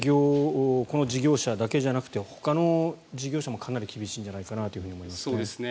この事業者だけじゃなくてほかの事業者もかなり厳しいんじゃないかと思います。